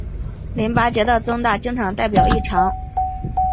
淋巴结的增大经常代表异常。